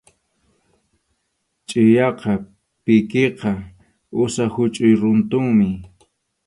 Chʼiyaqa pikipa usap huchʼuy runtunmi.